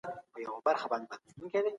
احمد کتاب واخیستی او په ډېر دقت یې ولوستی.